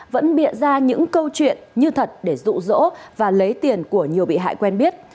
vẫn bịa ra những câu chuyện như thật để rụ rỗ và lấy tiền của nhiều bị hại quen biết